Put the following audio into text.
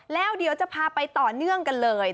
แล้วเดี๋ยวจะพาไปต่อเนื่องกันเลย